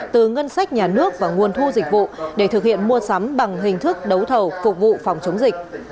từ ngân sách nhà nước và nguồn thu dịch vụ để thực hiện mua sắm bằng hình thức đấu thầu phục vụ phòng chống dịch